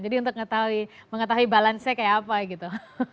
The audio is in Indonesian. jadi untuk mengetahui balance nya kayak apa gitu